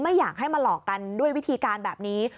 ไม่อยากให้มาหลอกกันด้วยวิธีการแบบนี้